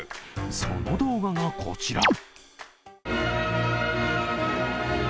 その動画がこちら。